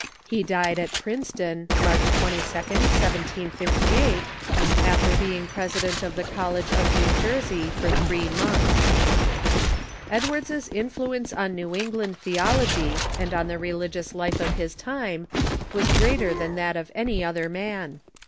He died at Princeton, March 22d, 1758, after being president of the College of New Jersey for three months. Edwards's influence on New England theology and on the religious life of his time was greater than that of any other man.